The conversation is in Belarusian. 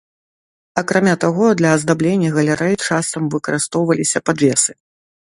Акрамя таго, для аздаблення галерэй часам выкарыстоўваліся падвесы.